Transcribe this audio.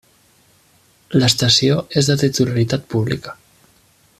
L'estació és de titularitat pública.